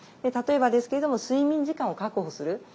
例えばですけれども睡眠時間を確保する。